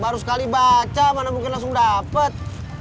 baru sekali baca mana mungkin langsung dapat